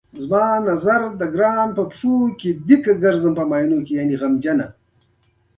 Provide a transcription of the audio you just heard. ننګرهار د زراعتي تولیداتو لپاره یوه مهمه سیمه ده.